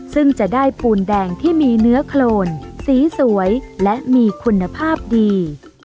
ซึ่งจะได้ปูนแดงที่มีเนื้อโครนสีสวยและมีคุณภาพดี